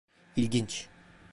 İlginç.